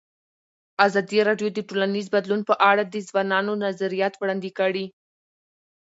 ازادي راډیو د ټولنیز بدلون په اړه د ځوانانو نظریات وړاندې کړي.